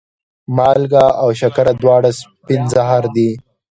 مالګه او شکره دواړه سپین زهر دي.